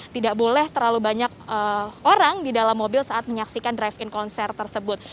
tidak boleh terlalu banyak orang di dalam mobil saat menyaksikan drive in konser tersebut